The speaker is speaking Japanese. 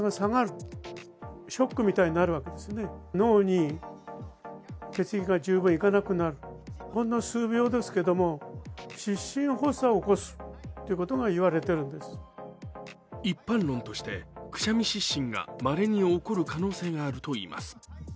医師は一般論として、くしゃみ失神がまれに起こる可能性があるといいます。